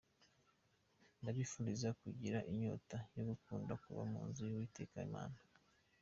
Ndabifuriza kugira inyota yo gukunda kuba mu nzu y’Uwiteka Imana.